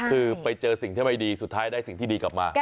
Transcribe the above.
คือไปเจอสิ่งที่ไม่ดีสุดท้ายได้สิ่งที่ดีกลับมา